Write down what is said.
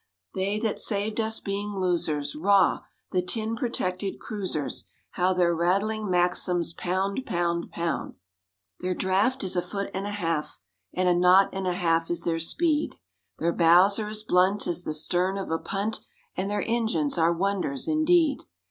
They that saved us being losers—Rah! the tin protected cruisers! How their rattling Maxims pound, pound, pound! _Their draft is a foot and a half And a knot and a half is their speed, Their bows are as blunt as the stern of a punt, And their engines are wonders, indeed.